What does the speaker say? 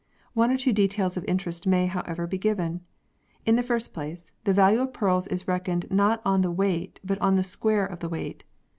One or two details of interest may, however, be given. In the first place, the value of pearls is reckoned not on the weight, but on the square of the weight.